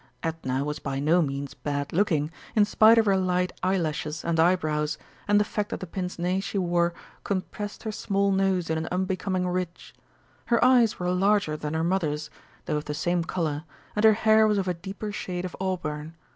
Edna was by no means bad looking, in spite of her light eyelashes and eyebrows, and the fact that the pince nez she wore compressed her small nose in an unbecoming ridge. Her eyes were larger than her mother's, though of the same colour, and her hair was of a deeper shade of auburn.